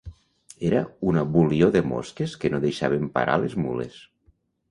Era una volior de mosques que no deixaven parar les mules.